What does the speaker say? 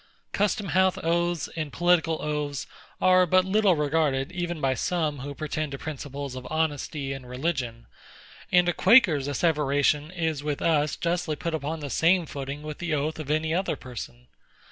Custom house oaths and political oaths are but little regarded even by some who pretend to principles of honesty and religion; and a Quaker's asseveration is with us justly put upon the same footing with the oath of any other person.